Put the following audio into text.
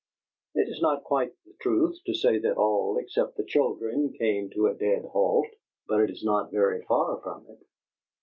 It is not quite the truth to say that all except the children came to a dead halt, but it is not very far from it.